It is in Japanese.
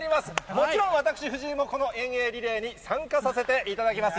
もちろん私、藤井もこの遠泳リレーに参加させていただきます。